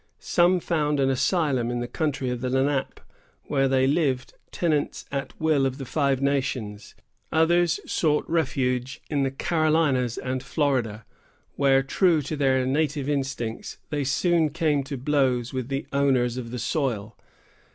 Some found an asylum in the country of the Lenape, where they lived tenants at will of the Five Nations; others sought refuge in the Carolinas and Florida, where, true to their native instincts, they soon came to blows with the owners of the soil.